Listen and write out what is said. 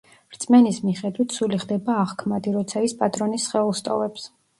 რწმენის მიხედვით, სული ხდება აღქმადი, როცა ის პატრონის სხეულს ტოვებს.